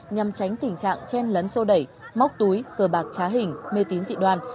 nhằm tránh tình trạng tren lấn sâu đẩy móc túi cờ bạc trá hình mê tín dị đoàn